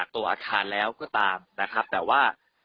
ตัวอาคารแล้วก็ตามนะครับแต่ว่า